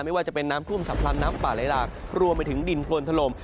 ไม่ว่าจะเป็นน้ำคุ่มชะพรรณน้ำป่าไล่รากรวมไปถึงดินควลถลม